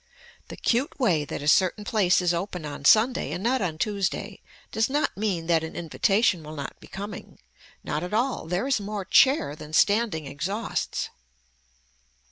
The cute way that a certain place is open on Sunday and not on Tuesday does not mean that an invitation will not be coming. Not at all, there is more chair than standing exhausts.